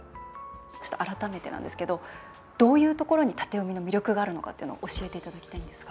改めてなんですけどどういうところに、縦読みの魅力があるのかっていうのを教えていただきたいんですが。